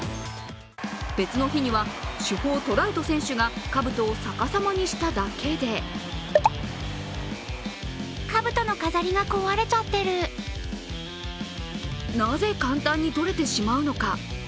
別の日には主砲・トラウト選手がかぶとを逆さまにしただけでなぜ簡単にとれてしまうのか。